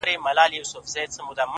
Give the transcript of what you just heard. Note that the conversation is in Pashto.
سپوږمۍ ته گوره زه پر بام ولاړه يمه،